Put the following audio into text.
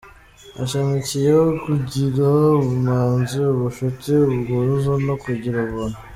Hashamikiyeho kugira ubumanzi, ubucuti, ubwuzu no kugira ubuntu.